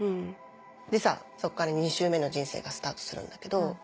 でさそこから２周目の人生がスタートするんだけど。